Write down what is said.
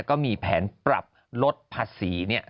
ก็มีแผนปรับลดภาษี